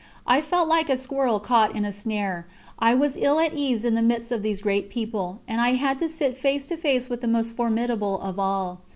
I felt like a squirrel caught in a snare. I was ill at ease in the midst of these great people, and I had to sit face to face with the most formidable of all.